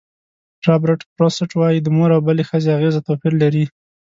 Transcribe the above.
رابرټ فروسټ وایي د مور او بلې ښځې اغېزه توپیر لري.